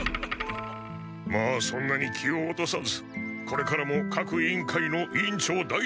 まあそんなに気を落とさずこれからも各委員会の委員長代理として。